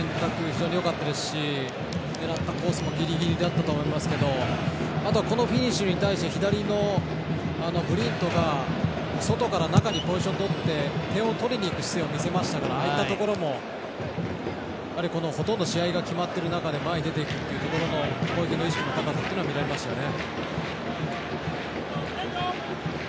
非常によかったですし狙ったコースもぎりぎりだったと思いますけどあとはこのフィニッシュに対して左のブリントが外から中にポジションをとって点を取りにいく姿勢を見せましたからああいったところもほとんど試合が決まってる中で前に出ていくというところの攻撃の意識の高さっていうのは見られましたよね。